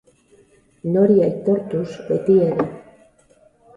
Nori aitortuz, beti ere.